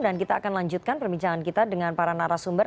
dan kita akan lanjutkan perbincangan kita dengan para narasumber